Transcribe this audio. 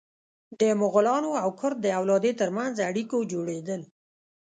د مغولانو او کرت د اولادې تر منځ اړیکو جوړېدل.